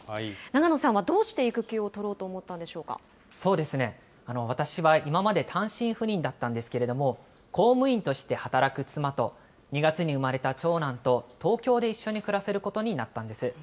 長野さんはどうして育休を取そうですね、私は今まで単身赴任だったんですけれども、公務員として働く妻と、２月に生まれた長男と東京で一緒に暮らせることになったんです。